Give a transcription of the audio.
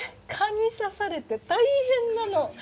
蚊に刺されて大変なの。